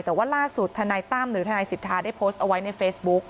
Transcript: แต่ว่าล่าสุดธนายตั้มหรือทนายสิทธาได้โพสต์เอาไว้ในเฟซบุ๊ก